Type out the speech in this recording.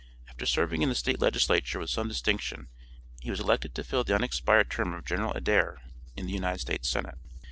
After serving in the State legislature with some distinction he was elected to fill the unexpired term of General Adair in the United States Senate.